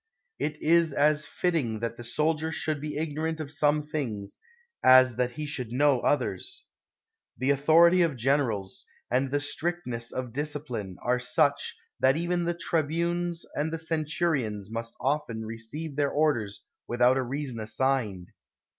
It is as fitting that the soldier should be ignorant of some things, as that he should know others. The authority of generals, and the strictness of discipline, are such, that even the tribunes and the centurions must often receive their orders without a reason assigned.